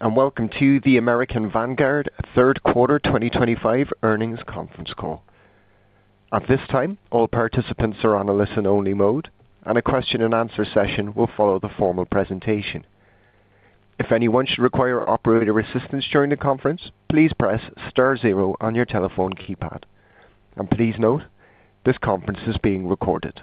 and welcome to the American Vanguard Third Quarter 2025 earnings conference call. At this time, all participants are on a listen-only mode, and a question-and-answer session will follow the formal presentation. If anyone should require operator assistance during the conference, please press star zero on your telephone keypad. Please note, this conference is being recorded.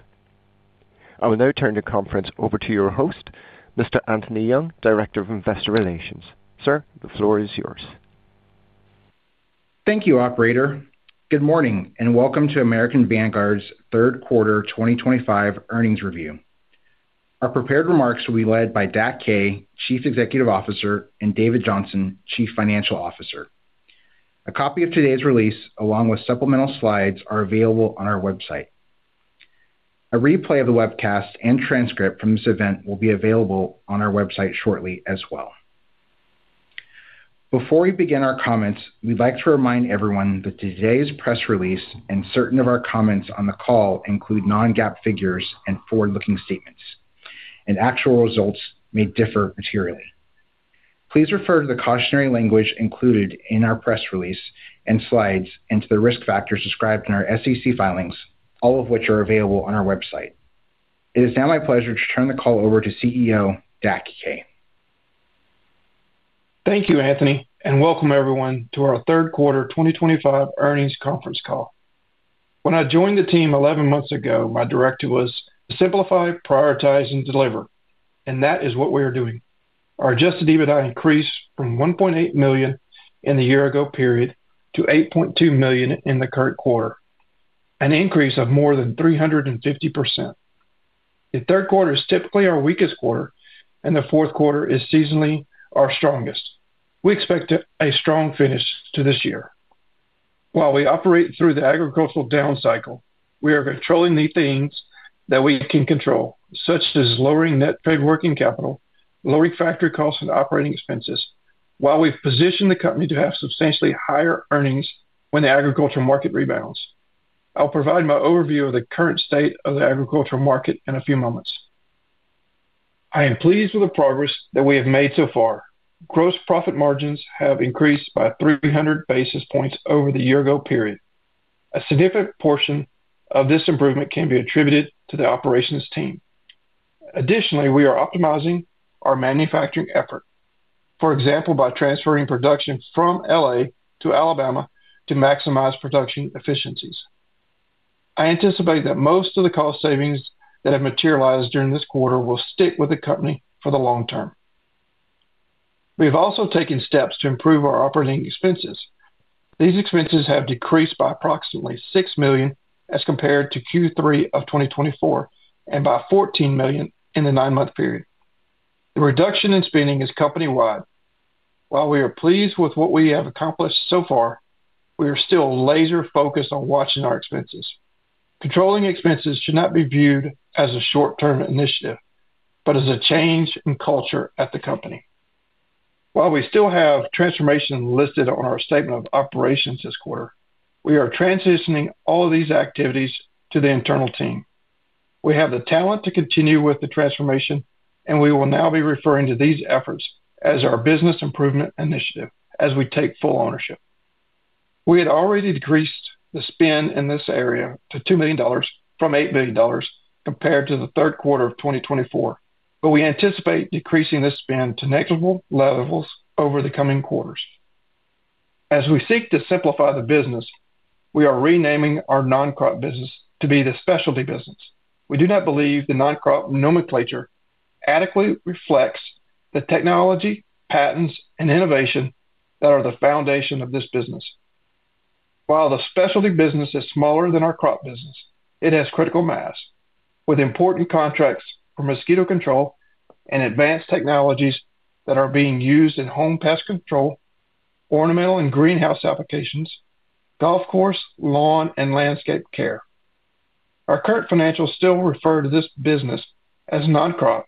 I will now turn the conference over to your host, Mr. Anthony Young, Director of Investor Relations. Sir, the floor is yours. Thank you, Operator. Good morning, and welcome to American Vanguard's Third Quarter 2025 earnings review. Our prepared remarks will be led by Dak Kay, Chief Executive Officer, and David Johnson, Chief Financial Officer. A copy of today's release, along with supplemental slides, is available on our website. A replay of the webcast and transcript from this event will be available on our website shortly as well. Before we begin our comments, we'd like to remind everyone that today's press release and certain of our comments on the call include non-GAAP figures and forward-looking statements, and actual results may differ materially. Please refer to the cautionary language included in our press release and slides and to the risk factors described in our SEC filings, all of which are available on our website. It is now my pleasure to turn the call over to CEO Dak Kay. Thank you, Anthony, and welcome everyone to our third quarter 2025 earnings conference call. When I joined the team eleven months ago, my directive was to simplify, prioritize, and deliver, and that is what we are doing. Our adjusted EBITDA increased from $1.8 million in the year-ago period to $8.2 million in the current quarter, an increase of more than 350%. The third quarter is typically our weakest quarter, and the fourth quarter is seasonally our strongest. We expect a strong finish to this year. While we operate through the agricultural down cycle, we are controlling the things that we can control, such as lowering net trade working capital, lowering factory costs, and operating expenses, while we've positioned the company to have substantially higher earnings when the agriculture market rebounds. I'll provide my overview of the current state of the agriculture market in a few moments. I am pleased with the progress that we have made so far. Gross profit margins have increased by 300 basis points over the year-ago period. A significant portion of this improvement can be attributed to the operations team. Additionally, we are optimizing our manufacturing effort, for example, by transferring production from Los Angeles to Alabama to maximize production efficiencies. I anticipate that most of the cost savings that have materialized during this quarter will stick with the company for the long term. We have also taken steps to improve our operating expenses. These expenses have decreased by approximately $6 million as compared to Q3 of 2024 and by $14 million in the nine-month period. The reduction in spending is company-wide. While we are pleased with what we have accomplished so far, we are still laser focused on watching our expenses. Controlling expenses should not be viewed as a short-term initiative but as a change in culture at the company. While we still have transformation listed on our Statement of Operations this quarter, we are transitioning all of these activities to the internal team. We have the talent to continue with the transformation, and we will now be referring to these efforts as our business improvement initiative as we take full ownership. We had already decreased the spend in this area to $2 million from $8 million compared to the third quarter of 2024, but we anticipate decreasing this spend to negligible levels over the coming quarters. As we seek to simplify the business, we are renaming our non-crop business to be the Specialty Business. We do not believe the non-crop nomenclature adequately reflects the technology, patents, and innovation that are the foundation of this business. While the Specialty Business is smaller than our crop business, it has critical mass, with important contracts for mosquito control and advanced technologies that are being used in home pest control, ornamental and greenhouse applications, golf course, lawn, and landscape care. Our current financials still refer to this business as non-crop,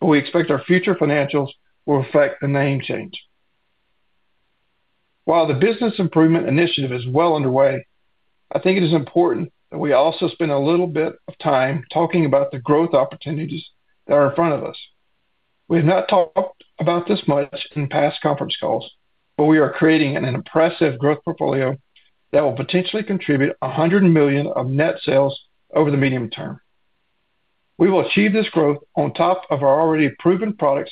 but we expect our future financials will reflect the name change. While the business improvement initiative is well underway, I think it is important that we also spend a little bit of time talking about the growth opportunities that are in front of us. We have not talked about this much in past conference calls, but we are creating an impressive growth portfolio that will potentially contribute $100 million of net sales over the medium term. We will achieve this growth on top of our already proven products,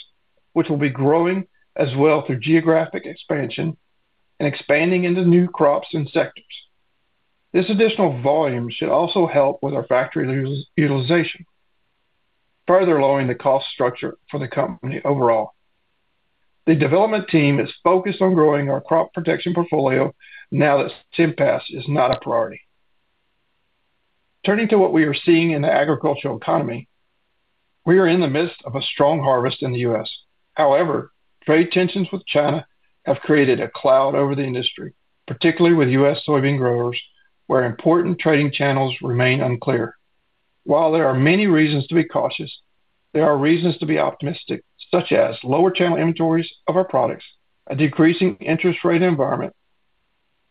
which will be growing as well through geographic expansion and expanding into new crops and sectors. This additional volume should also help with our factory utilization, further lowering the cost structure for the company overall. The development team is focused on growing our crop protection portfolio now that SIMPAS is not a priority. Turning to what we are seeing in the agricultural economy, we are in the midst of a strong harvest in the U.S. However, trade tensions with China have created a cloud over the industry, particularly with U.S. soybean growers, where important trading channels remain unclear. While there are many reasons to be cautious, there are reasons to be optimistic, such as lower channel inventories of our products, a decreasing interest rate environment,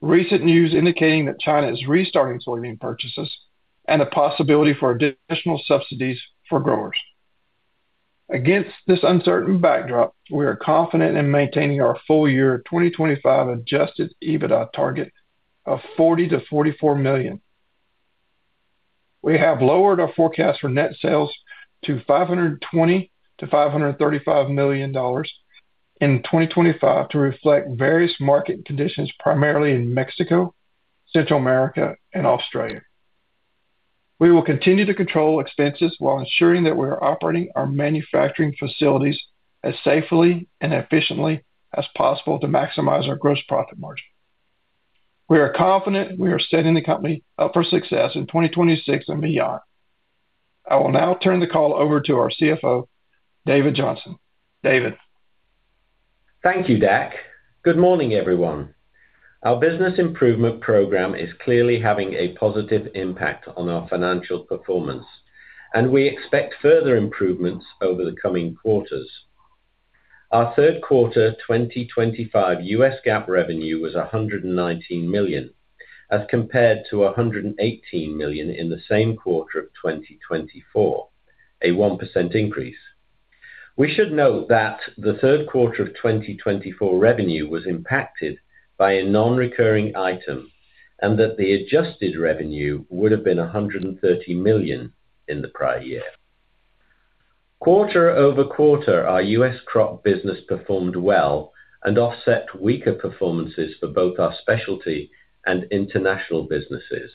recent news indicating that China is restarting soybean purchases, and the possibility for additional subsidies for growers. Against this uncertain backdrop, we are confident in maintaining our full-year 2025 adjusted EBITDA target of $40 million-$44 million. We have lowered our forecast for net sales to $520 million-$535 million in 2025 to reflect various market conditions, primarily in Mexico, Central America, and Australia. We will continue to control expenses while ensuring that we are operating our manufacturing facilities as safely and efficiently as possible to maximize our gross profit margin. We are confident we are setting the company up for success in 2026 and beyond. I will now turn the call over to our CFO, David Johnson. David. Thank you, Dak. Good morning, everyone. Our business improvement program is clearly having a positive impact on our financial performance, and we expect further improvements over the coming quarters. Our third quarter 2025 U.S. GAAP revenue was $119 million, as compared to $118 million in the same quarter of 2024, a 1% increase. We should note that the third quarter of 2024 revenue was impacted by a non-recurring item and that the adjusted revenue would have been $130 million in the prior year. Quarter-over-quarter, our U.S. crop business performed well and offset weaker performances for both our Specialty and international businesses.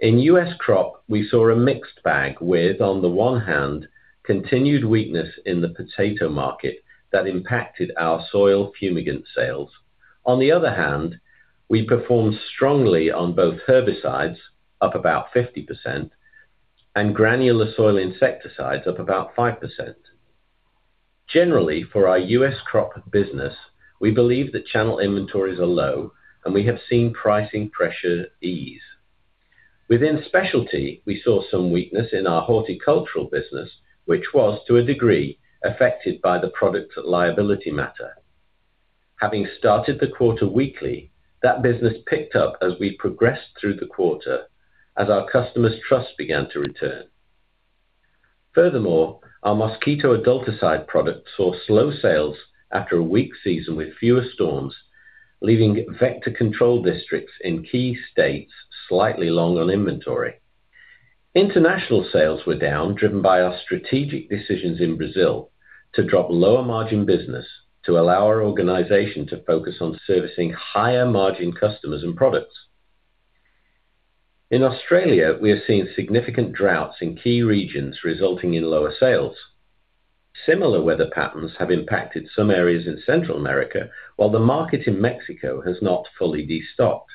In U.S. crop, we saw a mixed bag with, on the one hand, continued weakness in the potato market that impacted our soil fumigant sales. On the other hand, we performed strongly on both herbicides, up about 50%, and granular soil insecticides, up about 5%. Generally, for our U.S. crop business, we believe that channel inventories are low, and we have seen pricing pressure ease. Within Specialty, we saw some weakness in our horticultural business, which was, to a degree, affected by the product liability matter. Having started the quarter weakly, that business picked up as we progressed through the quarter, as our customers' trust began to return. Furthermore, our mosquito adulticide product saw slow sales after a weak season with fewer storms, leaving vector control districts in key states slightly long on inventory. International sales were down, driven by our strategic decisions in Brazil to drop lower margin business to allow our organization to focus on servicing higher margin customers and products. In Australia, we have seen significant droughts in key regions, resulting in lower sales. Similar weather patterns have impacted some areas in Central America, while the market in Mexico has not fully de-stocked.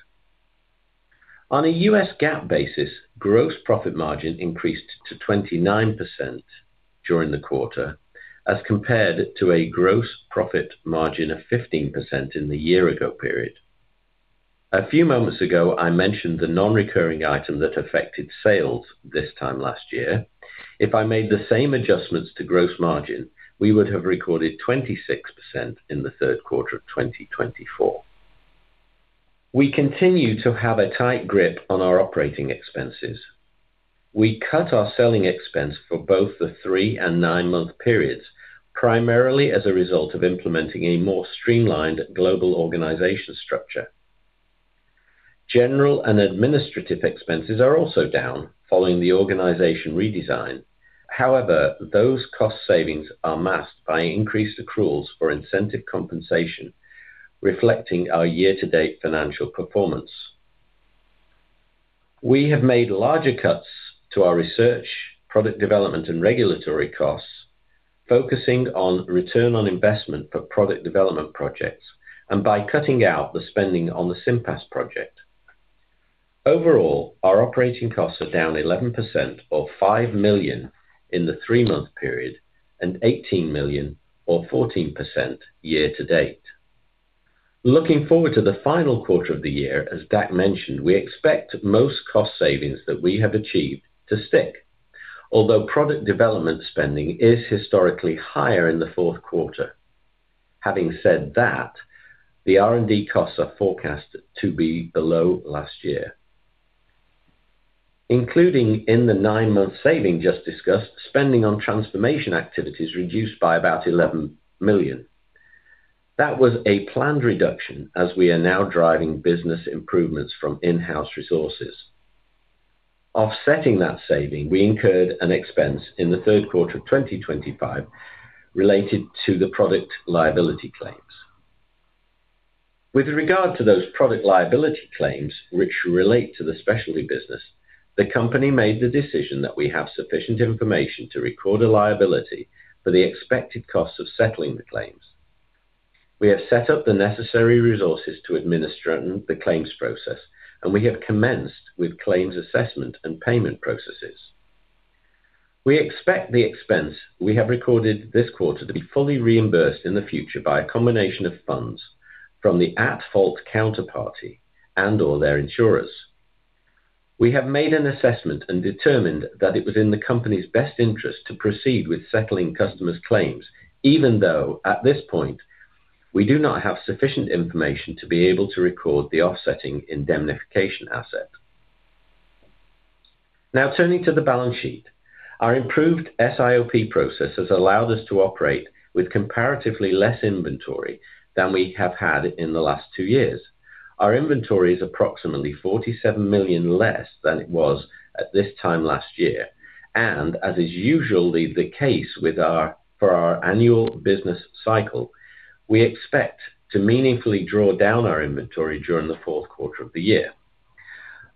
On a U.S. GAAP basis, gross profit margin increased to 29% during the quarter, as compared to a gross profit margin of 15% in the year-ago period. A few moments ago, I mentioned the non-recurring item that affected sales this time last year. If I made the same adjustments to gross margin, we would have recorded 26% in the third quarter of 2024. We continue to have a tight grip on our operating expenses. We cut our selling expense for both the three and nine-month periods, primarily as a result of implementing a more streamlined global organization structure. General and administrative expenses are also down, following the organization redesign. However, those cost savings are masked by increased accruals for incentive compensation, reflecting our year-to-date financial performance. We have made larger cuts to our research, product development, and regulatory costs, focusing on return on investment for product development projects and by cutting out the spending on the SIMPAS project. Overall, our operating costs are down 11%, or $5 million, in the three-month period, and $18 million, or 14%, year-to-date. Looking forward to the final quarter of the year, as Dak mentioned, we expect most cost savings that we have achieved to stick, although product development spending is historically higher in the fourth quarter. Having said that, the R&D costs are forecast to be below last year. Included in the nine-month saving just discussed, spending on transformation activities reduced by about $11 million. That was a planned reduction, as we are now driving business improvements from in-house resources. Offsetting that saving, we incurred an expense in the third quarter of 2025 related to the product liability claims. With regard to those product liability claims, which relate to the Specialty Business, the company made the decision that we have sufficient information to record a liability for the expected costs of settling the claims. We have set up the necessary resources to administer the claims process, and we have commenced with claims assessment and payment processes. We expect the expense we have recorded this quarter to be fully reimbursed in the future by a combination of funds from the at-fault counterparty and/or their insurers. We have made an assessment and determined that it was in the company's best interest to proceed with settling customers' claims, even though, at this point, we do not have sufficient information to be able to record the Offsetting Indemnification Asset. Now, turning to the balance sheet, our improved SIOP process has allowed us to operate with comparatively less inventory than we have had in the last two years. Our inventory is approximately $47 million less than it was at this time last year, and as is usually the case for our annual business cycle, we expect to meaningfully draw down our inventory during the fourth quarter of the year.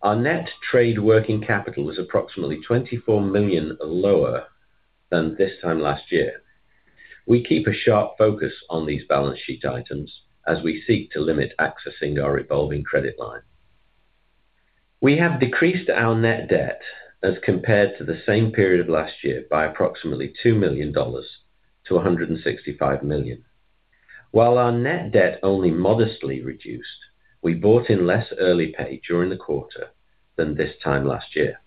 Our net trade working capital is approximately $24 million lower than this time last year. We keep a sharp focus on these balance sheet items as we seek to limit accessing our evolving credit line. We have decreased our net debt as compared to the same period of last year by approximately $2 million to $165 million. While our net debt only modestly reduced, we bought in less early pay during the quarter than this time last year.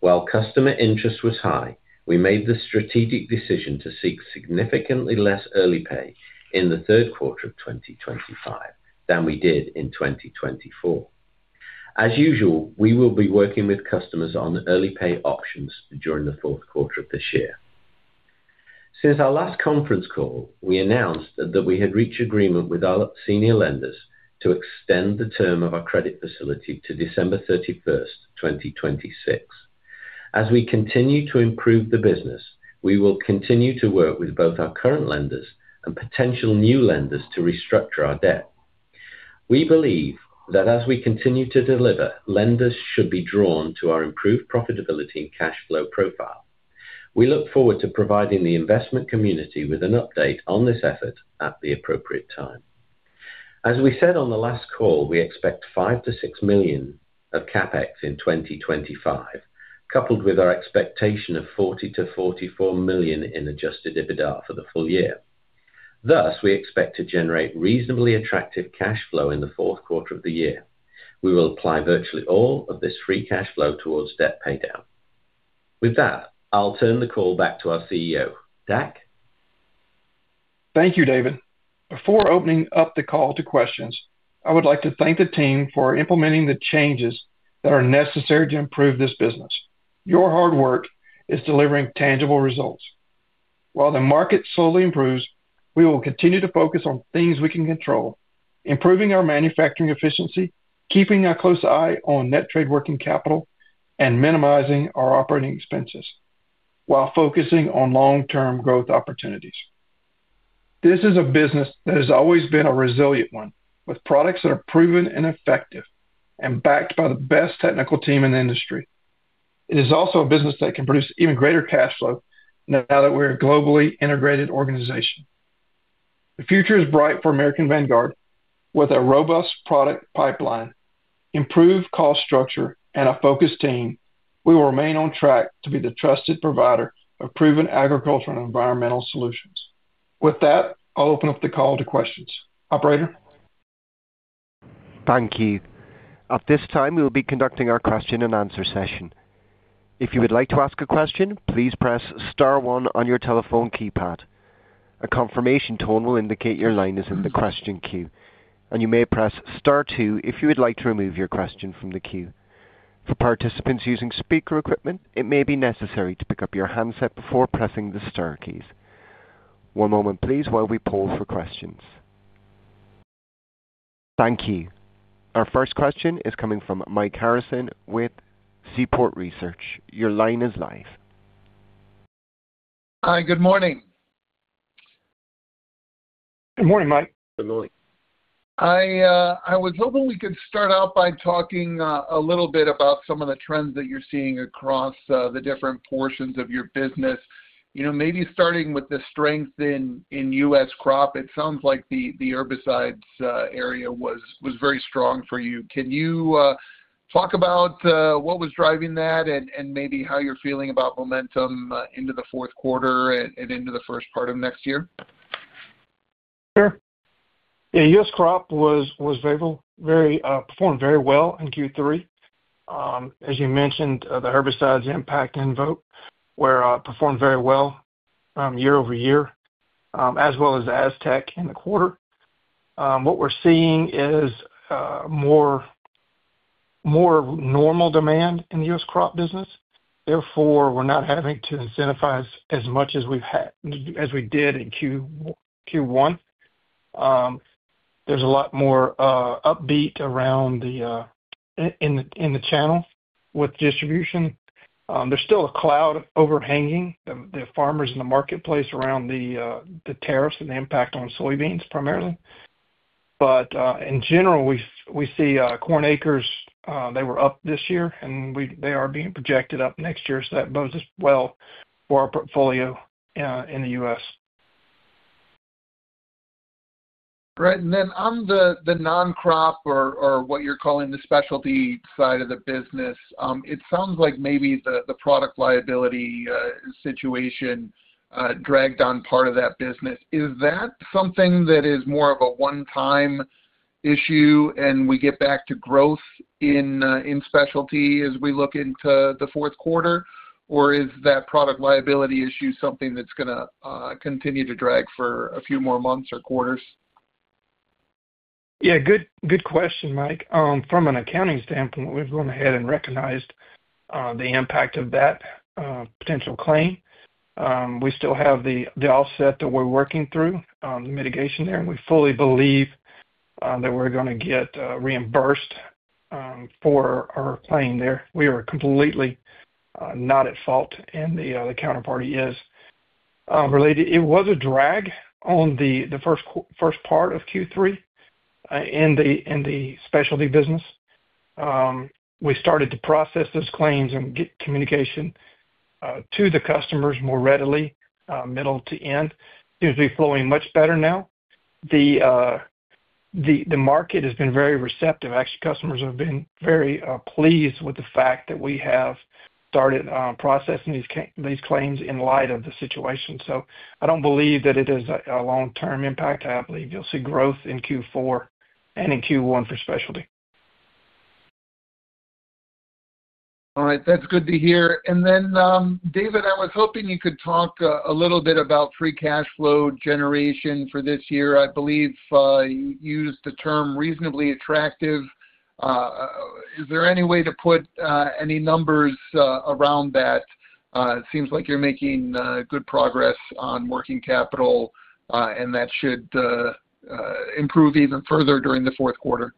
While customer interest was high, we made the strategic decision to seek significantly less early pay in the third quarter of 2025 than we did in 2024. As usual, we will be working with customers on early pay options during the fourth quarter of this year. Since our last conference call, we announced that we had reached agreement with our senior lenders to extend the term of our credit facility to December 31, 2026. As we continue to improve the business, we will continue to work with both our current lenders and potential new lenders to restructure our debt. We believe that as we continue to deliver, lenders should be drawn to our improved profitability and cash flow profile. We look forward to providing the investment community with an update on this effort at the appropriate time. As we said on the last call, we expect $5 million-$6 million of CapEx in 2025, coupled with our expectation of $40 million-$44 million in adjusted EBITDA for the full year. Thus, we expect to generate reasonably attractive cash flow in the fourth quarter of the year. We will apply virtually all of this free cash flow towards debt paydown. With that, I'll turn the call back to our CEO, Dak. Thank you, David. Before opening up the call to questions, I would like to thank the team for implementing the changes that are necessary to improve this business. Your hard work is delivering tangible results. While the market slowly improves, we will continue to focus on things we can control, improving our manufacturing efficiency, keeping a close eye on net trade working capital, and minimizing our operating expenses, while focusing on long-term growth opportunities. This is a business that has always been a resilient one, with products that are proven and effective, and backed by the best technical team in the industry. It is also a business that can produce even greater cash flow now that we're a globally integrated organization. The future is bright for American Vanguard. With a robust product pipeline, improved cost structure, and a focused team, we will remain on track to be the trusted provider of proven agricultural and environmental solutions. With that, I'll open up the call to questions. Operator. Thank you. At this time, we will be conducting our question-and-answer session. If you would like to ask a question, please press Star one on your telephone keypad. A confirmation tone will indicate your line is in the question queue, and you may press Star two if you would like to remove your question from the queue. For participants using speaker equipment, it may be necessary to pick up your handset before pressing the Star keys. One moment, please, while we poll for questions. Thank you. Our first question is coming from Mike Harrison with Seaport Research Partners. Your line is live. Hi, good morning. Good morning, Mike. Good morning. I was hoping we could start out by talking a little bit about some of the trends that you're seeing across the different portions of your business. Maybe starting with the strength in U.S. crop, it sounds like the herbicides area was very strong for you. Can you talk about what was driving that and maybe how you're feeling about momentum into the fourth quarter and into the first part of next year? Sure. Yeah, U.S. crop performed very well in Q3. As you mentioned, the Herbicides Impact Invo performed very well year over year, as well as AZTEC in the quarter. What we're seeing is more normal demand in the U.S. crop business. Therefore, we're not having to incentivize as much as we did in Q1. There's a lot more upbeat around the in the channel with distribution. There's still a cloud overhanging the farmers in the marketplace around the tariffs and the impact on soybeans primarily. In general, we see corn acres, they were up this year, and they are being projected up next year, so that bodes well for our portfolio in the U.S. All right. On the non-crop or what you're calling the Specialty side of the business, it sounds like maybe the product liability situation dragged on part of that business. Is that something that is more of a one-time issue and we get back to growth in Specialty as we look into the fourth quarter, or is that product liability issue something that's going to continue to drag for a few more months or quarters? Yeah, good question, Mike. From an accounting standpoint, we've gone ahead and recognized the impact of that potential claim. We still have the offset that we're working through, the mitigation there, and we fully believe that we're going to get reimbursed for our claim there. We are completely not at fault, and the counterparty is. It was a drag on the first part of Q3 in the Specialty Business. We started to process those claims and get communication to the customers more readily, middle to end. Seems to be flowing much better now. The market has been very receptive. Actually, customers have been very pleased with the fact that we have started processing these claims in light of the situation. I don't believe that it is a long-term impact. I believe you'll see growth in Q4 and in Q1 for Specialty. All right. That's good to hear. David, I was hoping you could talk a little bit about free cash flow generation for this year. I believe you used the term reasonably attractive. Is there any way to put any numbers around that? It seems like you're making good progress on working capital, and that should improve even further during the fourth quarter.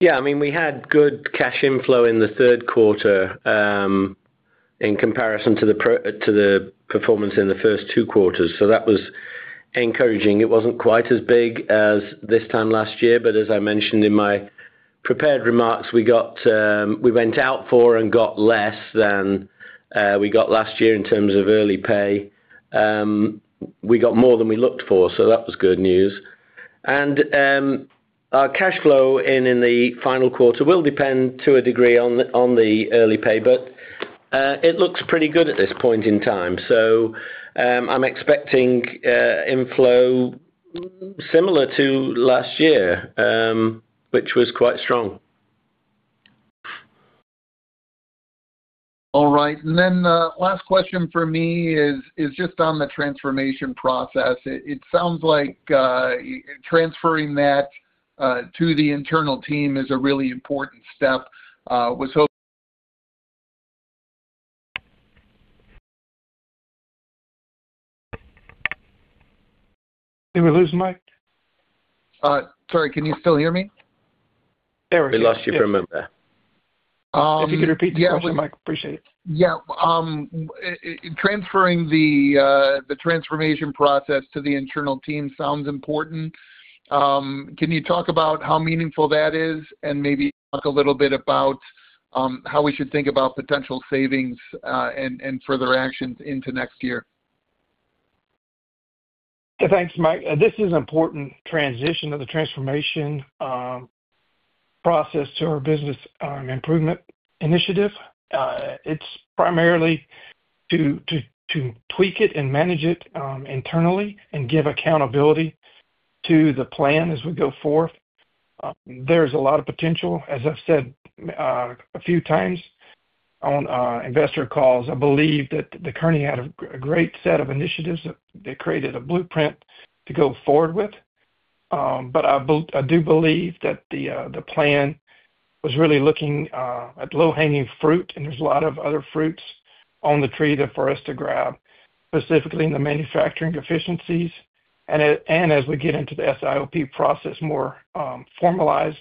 Yeah. I mean, we had good cash inflow in the third quarter in comparison to the performance in the first two quarters. That was encouraging. It was not quite as big as this time last year, but as I mentioned in my prepared remarks, we went out for and got less than we got last year in terms of early pay. We got more than we looked for, so that was good news. Our cash flow in the final quarter will depend to a degree on the early pay, but it looks pretty good at this point in time. I am expecting inflow similar to last year, which was quite strong. All right. Last question for me is just on the transformation process. It sounds like transferring that to the internal team is a really important step. Did we lose Mike? Sorry, can you still hear me? Yeah, we lost you for a moment. If you could repeat the question, Mike. Yeah, appreciate it. Yeah. Transferring the transformation process to the internal team sounds important. Can you talk about how meaningful that is and maybe talk a little bit about how we should think about potential savings and further actions into next year? Thanks, Mike. This is an important transition of the transformation process to our business improvement initiative. It's primarily to tweak it and manage it internally and give accountability to the plan as we go forth. There's a lot of potential, as I've said a few times on investor calls. I believe that Kearney had a great set of initiatives that created a blueprint to go forward with. I do believe that the plan was really looking at low-hanging fruit, and there's a lot of other fruits on the tree for us to grab, specifically in the manufacturing efficiencies. As we get into the SIOP process more formalized,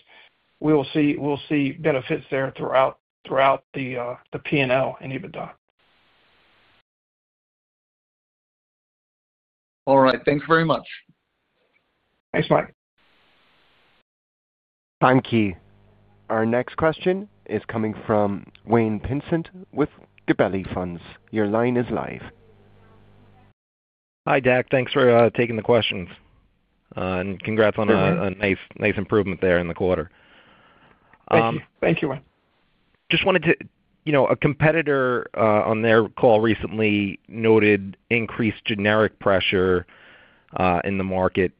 we'll see benefits there throughout the P&L and EBITDA. All right. Thanks very much. Thanks, Mike. Thank you. Our next question is coming from Wayne Pinsent with Gabelli Funds. Your line is live. Hi, Dak. Thanks for taking the questions. Congrats on a nice improvement there in the quarter. Thank you. Thank you, Wayne. Just wanted to—a competitor on their call recently noted increased generic pressure in the market.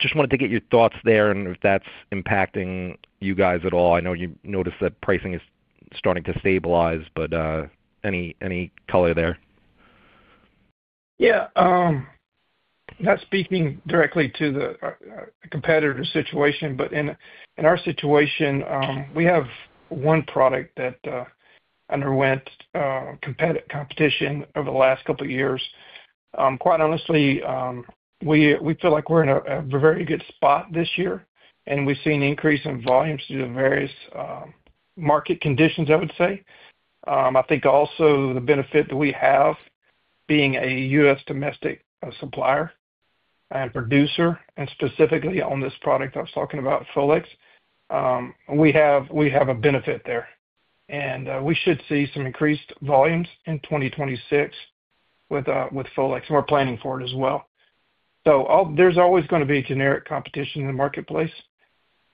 Just wanted to get your thoughts there and if that's impacting you guys at all. I know you noted that pricing is starting to stabilize, but any color there? Yeah. Not speaking directly to the competitor situation, but in our situation, we have one product that underwent competitive competition over the last couple of years. Quite honestly, we feel like we're in a very good spot this year, and we've seen an increase in volumes due to various market conditions, I would say. I think also the benefit that we have being a U.S. domestic supplier and producer, and specifically on this product I was talking about, Folex, we have a benefit there. We should see some increased volumes in 2026 with Folex, and we're planning for it as well. There's always going to be generic competition in the marketplace.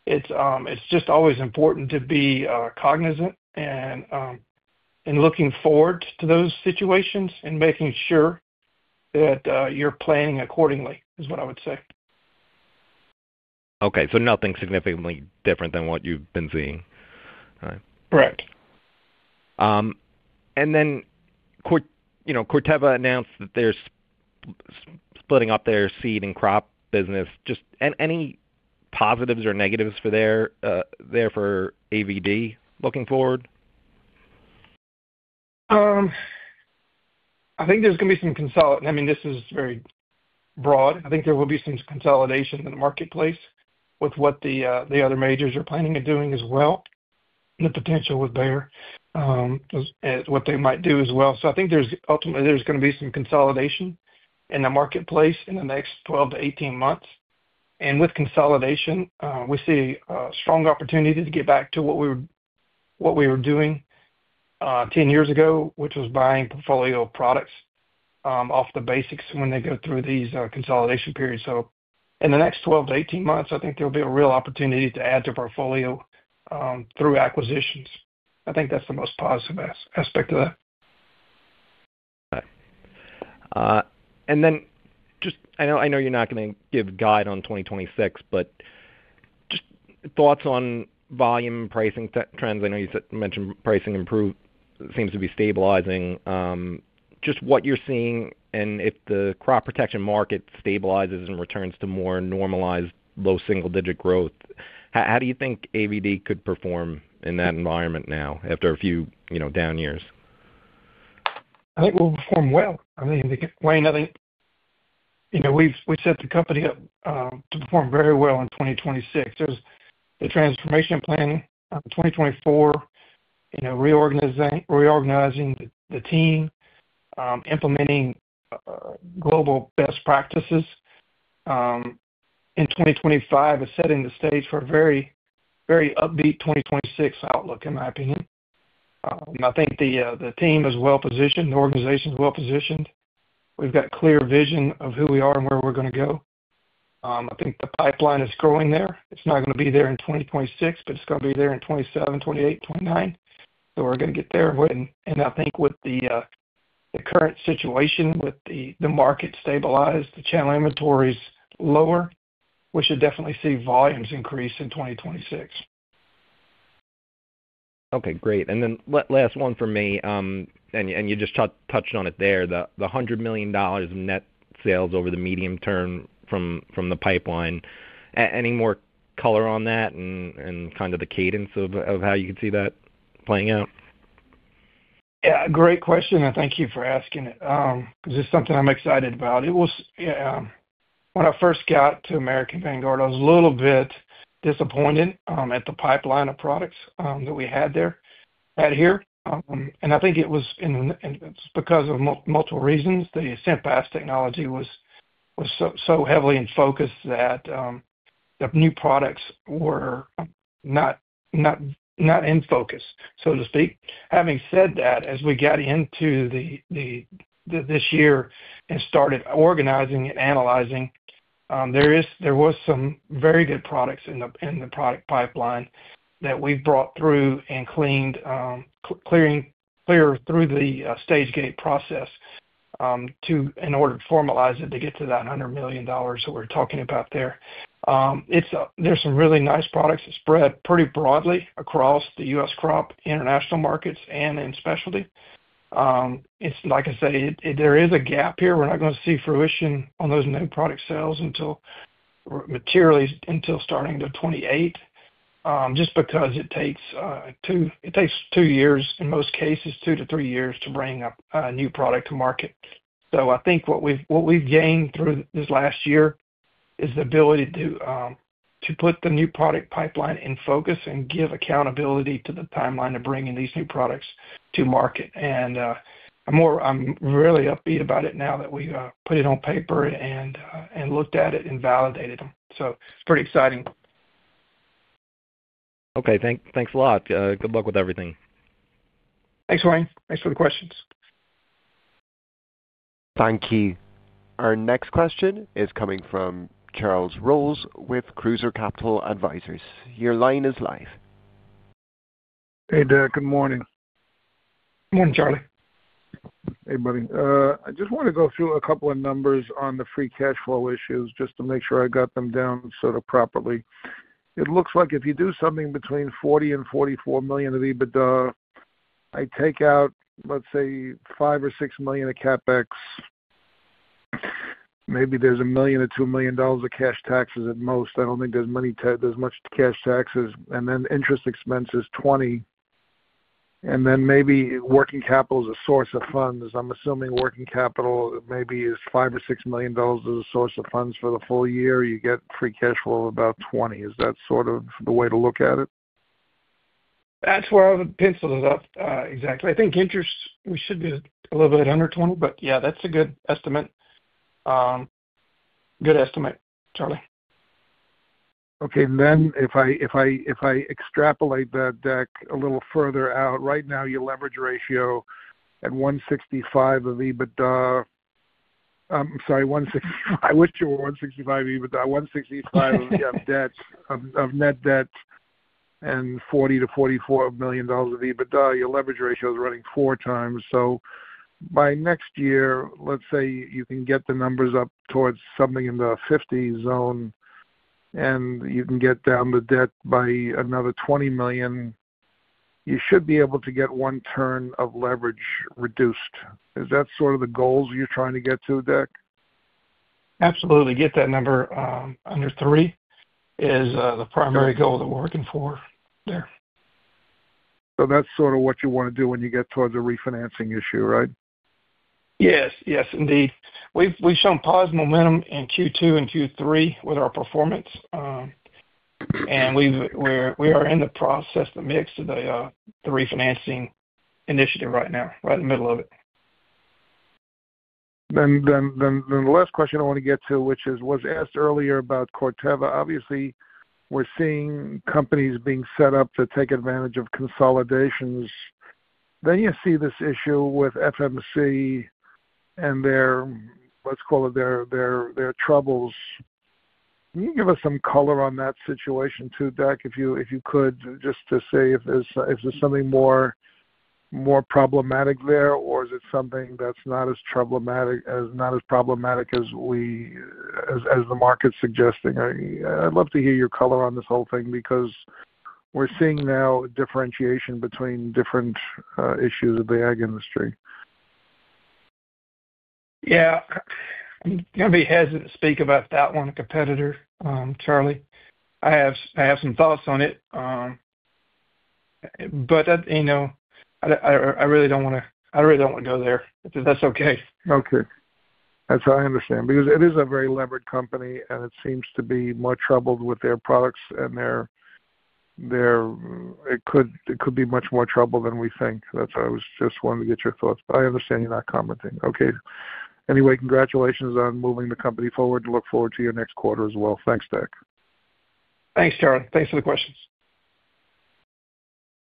It's just always important to be cognizant and looking forward to those situations and making sure that you're planning accordingly is what I would say. Okay. So nothing significantly different than what you've been seeing. Correct. Corteva announced that they're splitting up their seed and crop business. Just any positives or negatives there for AVD looking forward? I think there's going to be some—I mean, this is very broad. I think there will be some consolidation in the marketplace with what the other majors are planning and doing as well. The potential with Bayer is what they might do as well. I think ultimately there's going to be some consolidation in the marketplace in the next 12-18 months. With consolidation, we see a strong opportunity to get back to what we were doing 10 years ago, which was buying portfolio products off the basics when they go through these consolidation periods. In the next 12-18 months, I think there'll be a real opportunity to add to portfolio through acquisitions. I think that's the most positive aspect of that. All right. I know you're not going to give guide on 2026, but just thoughts on volume and pricing trends. I know you mentioned pricing seems to be stabilizing. Just what you're seeing and if the crop protection market stabilizes and returns to more normalized low single-digit growth, how do you think AVD could perform in that environment now after a few down years? I think we'll perform well. I mean, Wayne, I think we've set the company up to perform very well in 2026. There's the transformation plan in 2024, reorganizing the team, implementing global best practices. In 2025, it's setting the stage for a very upbeat 2026 outlook, in my opinion. I think the team is well-positioned, the organization is well-positioned. We've got clear vision of who we are and where we're going to go. I think the pipeline is growing there. It's not going to be there in 2026, but it's going to be there in 2027, 2028, 2029. We are going to get there. I think with the current situation, with the market stabilized, the channel inventories lower, we should definitely see volumes increase in 2026. Okay. Great. Last one for me, and you just touched on it there, the $100 million in net sales over the medium term from the pipeline. Any more color on that and kind of the cadence of how you could see that playing out? Yeah. Great question, and thank you for asking it because it's something I'm excited about. When I first got to American Vanguard, I was a little bit disappointed at the pipeline of products that we had here. I think it was because of multiple reasons. The SIMPAS technology was so heavily in focus that the new products were not in focus, so to speak. Having said that, as we got into this year and started organizing and analyzing, there were some very good products in the product pipeline that we've brought through and cleared through the stage gate process in order to formalize it to get to that $100 million that we're talking about there. There's some really nice products that spread pretty broadly across the U.S. crop international markets and in Specialty. It's like I say, there is a gap here. We're not going to see fruition on those new product sales materially until starting to 2028 just because it takes two years, in most cases, two to three years to bring a new product to market. I think what we've gained through this last year is the ability to put the new product pipeline in focus and give accountability to the timeline of bringing these new products to market. I'm really upbeat about it now that we put it on paper and looked at it and validated them. It's pretty exciting. Okay. Thanks a lot. Good luck with everything. Thanks, Wayne. Thanks for the questions. Thank you. Our next question is coming from Charles Rose with Cruiser Capital Advisors. Your line is live. Hey, Dak. Good morning. Morning, Charlie. Hey, buddy. I just want to go through a couple of numbers on the free cash flow issues just to make sure I got them down sort of properly. It looks like if you do something between $40 million and $44 million of EBITDA, I take out, let's say, $5 million or $6 million of CapEx. Maybe there's $1 million or $2 million of cash taxes at most. I don't think there's much cash taxes. And then interest expense is $20 million. And then maybe working capital is a source of funds. I'm assuming working capital maybe is $5 million or $6 million as a source of funds for the full year. You get free cash flow of about $20 million. Is that sort of the way to look at it? That's where I would pencil it up, exactly. I think interest should be a little bit under 20, but yeah, that's a good estimate. Good estimate, Charlie. Okay. And then if I extrapolate that, Dak, a little further out, right now your leverage ratio at 165 of EBITDA—I'm sorry, 165. I wish it were 165 EBITDA. 165 of net debt and $40 million-$44 million of EBITDA, your leverage ratio is running four times. By next year, let's say you can get the numbers up towards something in the 50 zone and you can get down the debt by another $20 million, you should be able to get one turn of leverage reduced. Is that sort of the goals you're trying to get to, Dak? Absolutely. Get that number under 3 is the primary goal that we're working for there. That's sort of what you want to do when you get towards a refinancing issue, right? Yes. Yes, indeed. We've shown positive momentum in Q2 and Q3 with our performance, and we are in the process to mix the refinancing initiative right now, right in the middle of it. The last question I want to get to, which was asked earlier about Corteva. Obviously, we're seeing companies being set up to take advantage of consolidations. You see this issue with FMC and their, let's call it, their troubles. Can you give us some color on that situation too, Dak, if you could, just to say if there's something more problematic there, or is it something that's not as problematic as the market's suggesting? I'd love to hear your color on this whole thing because we're seeing now a differentiation between different issues of the AG industry. Yeah. I'm going to be hesitant to speak about that one competitor, Charlie. I have some thoughts on it, but I really do not want to—I really do not want to go there, if that's okay. Okay. That's how I understand. Because it is a very levered company, and it seems to be more troubled with their products, and it could be much more trouble than we think. That's why I was just wanting to get your thoughts. I understand you're not commenting. Okay. Anyway, congratulations on moving the company forward. Look forward to your next quarter as well. Thanks, Dak. Thanks, Charlie. Thanks for the questions.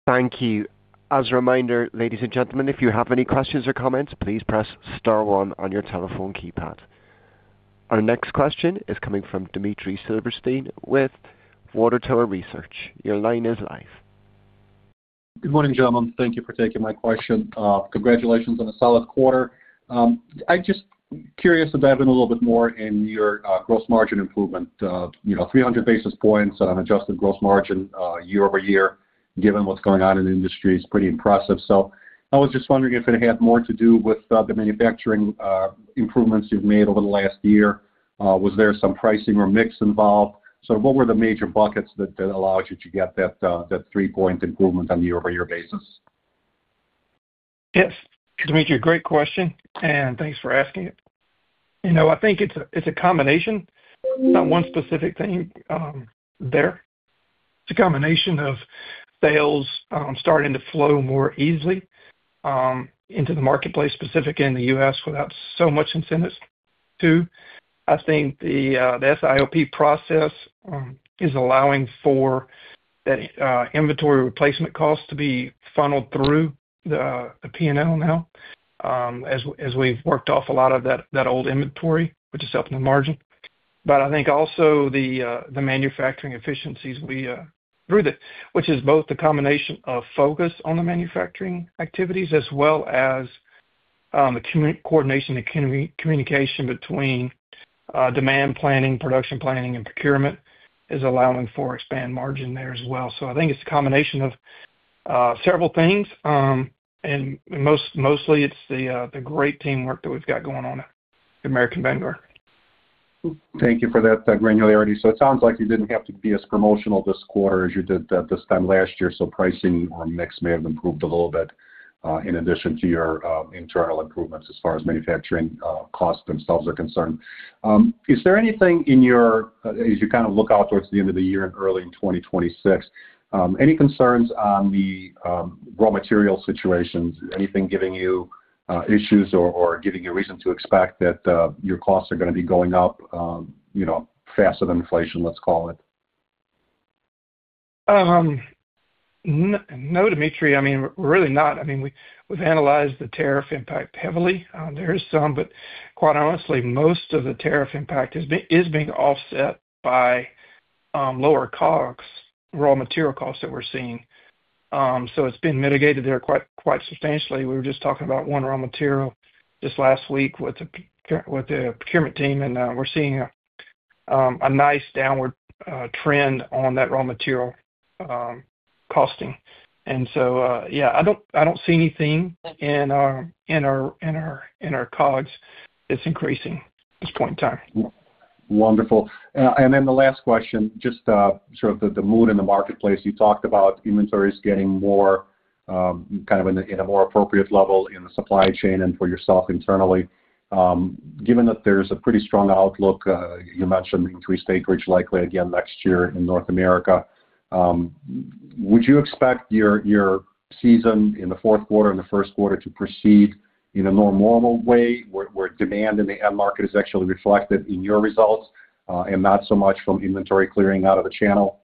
Thank you. As a reminder, ladies and gentlemen, if you have any questions or comments, please press star one on your telephone keypad. Our next question is coming from Dimitry Silversteyn with Water Tower Research. Your line is live. Good morning, gentlemen. Thank you for taking my question. Congratulations on a solid quarter. I'm just curious to dive in a little bit more in your gross margin improvement. 300 basis points on an adjusted gross margin year over year, given what's going on in the industry, is pretty impressive. I was just wondering if it had more to do with the manufacturing improvements you've made over the last year. Was there some pricing or mix involved? What were the major buckets that allowed you to get that three-point improvement on a year-over-year basis? Yes. Dimitry, great question, and thanks for asking it. I think it's a combination. It's not one specific thing there. It's a combination of sales starting to flow more easily into the marketplace, specifically in the U.S., without so much incentives too. I think the SIOP process is allowing for that inventory replacement cost to be funneled through the P&L now, as we've worked off a lot of that old inventory, which is helping the margin. I think also the manufacturing efficiencies through the, which is both the combination of focus on the manufacturing activities as well as the coordination and communication between demand planning, production planning, and procurement, is allowing for expand margin there as well. I think it's a combination of several things, and mostly it's the great teamwork that we've got going on at American Vanguard. Thank you for that granularity. It sounds like you did not have to be as promotional this quarter as you did this time last year, so pricing or mix may have improved a little bit in addition to your internal improvements as far as manufacturing costs themselves are concerned. Is there anything in your—as you kind of look out towards the end of the year and early in 2026, any concerns on the raw material situations? Anything giving you issues or giving you a reason to expect that your costs are going to be going up faster than inflation, let's call it? No, Dimitry. I mean, really not. I mean, we've analyzed the tariff impact heavily. There is some, but quite honestly, most of the tariff impact is being offset by lower raw material costs that we're seeing. It has been mitigated there quite substantially. We were just talking about one raw material just last week with the procurement team, and we're seeing a nice downward trend on that raw material costing. Yeah, I do not see anything in our COGS that's increasing at this point in time. Wonderful. Then the last question, just sort of the mood in the marketplace. You talked about inventories getting more kind of in a more appropriate level in the supply chain and for yourself internally. Given that there is a pretty strong outlook, you mentioned increased acreage likely again next year in North America, would you expect your season in the fourth quarter and the first quarter to proceed in a more normal way where demand in the end market is actually reflected in your results and not so much from inventory clearing out of the channel?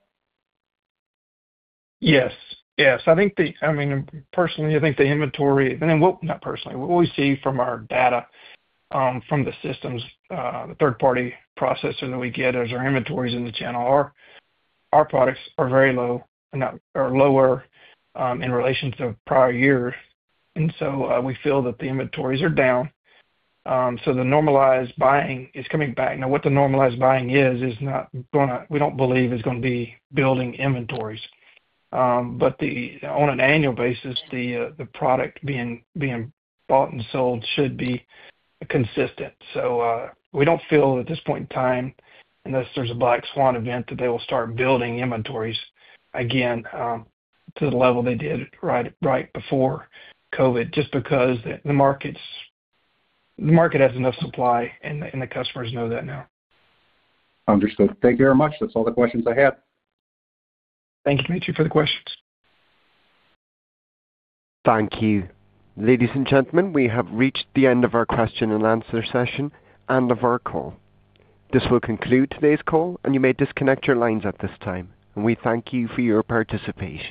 Yes. Yes. I mean, personally, I think the inventory—I mean, not personally. What we see from our data from the systems, the third-party processor that we get, is our inventories in the channel. Our products are very low or lower in relation to prior years. And so we feel that the inventories are down. So the normalized buying is coming back. Now, what the normalized buying is, we do not believe is going to be building inventories. But on an annual basis, the product being bought and sold should be consistent. We do not feel at this point in time, unless there is a black swan event, that they will start building inventories again to the level they did right before COVID, just because the market has enough supply and the customers know that now. Understood. Thank you very much. That's all the questions I had. Thank you, Dimitry, for the questions. Thank you. Ladies and gentlemen, we have reached the end of our question and answer session and of our call. This will conclude today's call, and you may disconnect your lines at this time. We thank you for your participation.